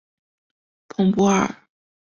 蓬波尔。